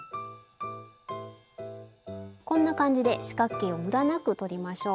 こんな感じで四角形をむだなくとりましょう。